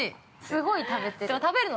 ◆すごい食べている。